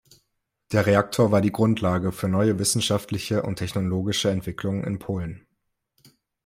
Der Reaktor war die Grundlage für neue wissenschaftliche und technologische Entwicklungen in Polen.